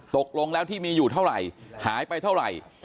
ตกลงแล้วที่มีอยู่เท่าไหร่หายไปเท่าไหร่